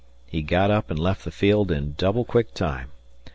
He got up and left the field in double quick time.